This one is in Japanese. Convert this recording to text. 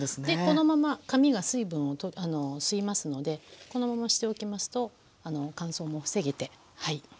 でこのまま紙が水分を吸いますのでこのまましておきますと乾燥も防げてはい。